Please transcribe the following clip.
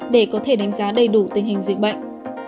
để có thể đánh giá đầy đủ tình hình dịch bệnh